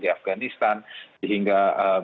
di afganistan sehingga